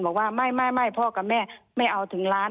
บอกว่าไม่พ่อกับแม่ไม่เอาถึงล้าน